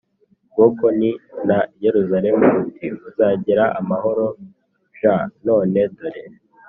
bwoko i na Yerusalemu uti muzagira amahoro j none dore